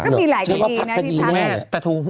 ก็มีหลายคดีนะพี่ท่าน